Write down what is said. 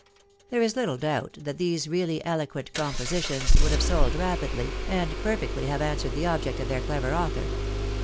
There is little doubt that these really eloquent compositions would have sold rapidly, and perfectly have answered the object of their clever author.